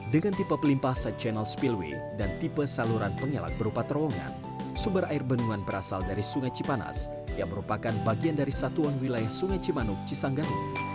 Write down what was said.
dengan tipe pelimpah set channel spillway dan tipe saluran pengelak berupa terowongan sumber air bendungan berasal dari sungai cipanas yang merupakan bagian dari satuan wilayah sungai cimanuk cisanggang